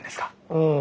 うん。